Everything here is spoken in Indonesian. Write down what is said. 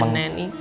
banyak sih tante